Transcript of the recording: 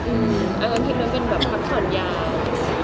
เอออันที่นึงเป็นแบบพักผ่อนยาก